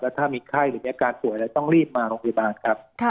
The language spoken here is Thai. แล้วถ้ามีไข้หรือมีอาการตรวจต้องรีบมาโรงพยาบาลครับ